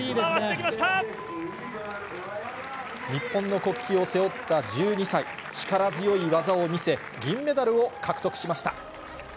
日本の国旗を背負った１２歳、力強い技を見せ、銀メダルを獲得しました。